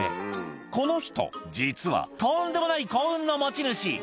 この人実はとんでもない幸運の持ち主